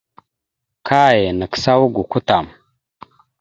Kay nagsáawak gokwa tam.